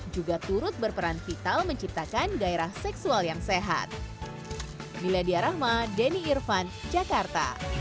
juga turut berperan vital menciptakan gairah seksual yang sehat